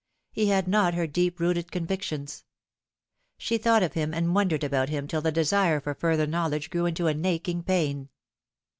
He had not her deep rooted convictions. She thought of him and wondered about him till the desire for further knowledge grew into an aching pain.